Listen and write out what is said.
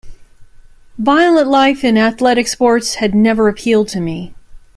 Violent life and athletic sports had never appealed to me.